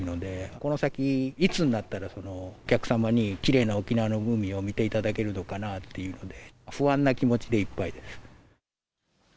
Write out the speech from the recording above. この先、いつになったらお客様にきれいな沖縄の海を見ていただけるのかなということで、不安な気持ちでいっぱいです。